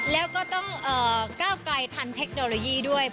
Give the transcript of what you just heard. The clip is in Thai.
แล้วก็ต้องก้าวไกลทันเทคโนโลยีด้วย